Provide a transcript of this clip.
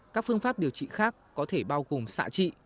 các phương pháp điều trị khác có thể bao gồm xạ trị